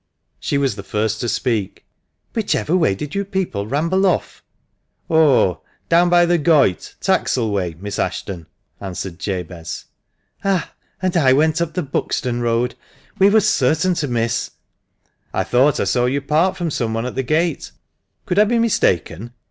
She was the first to speak. "Whichever way did you people ramble off?" " Oh ! down by the Goyt, Taxal way, Miss Ashton," answered Jabez. " Ah ! and I went up the Buxton Road ; we were certain to miss." " I thought I saw you part from some one at the gate ? Could I be mistaken?"